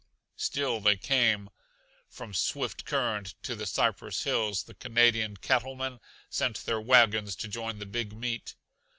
Still they came. From Swift Current to the Cypress Hills the Canadian cattlemen sent their wagons to join the big meet.